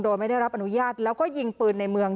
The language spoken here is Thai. โดยไม่ได้รับอนุญาตแล้วก็ยิงปืนในเมือง